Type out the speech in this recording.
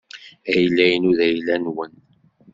Ayla-inu d ayla-nwen.